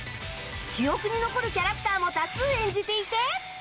記憶に残るキャラクターも多数演じていて